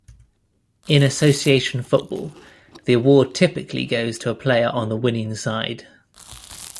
In association football, the award typically goes to a player on the winning side.